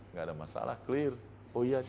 nggak ada masalah clear oh iya